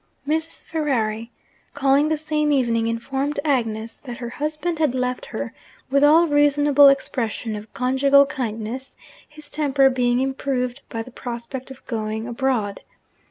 Mrs. Ferrari, calling the same evening, informed Agnes that her husband had left her with all reasonable expression of conjugal kindness; his temper being improved by the prospect of going abroad.